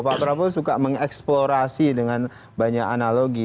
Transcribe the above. pak prabowo suka mengeksplorasi dengan banyak analogi